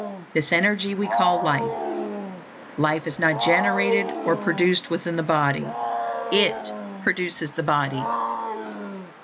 This energy we call life. Life is not generated or produced within the body; it produces the body.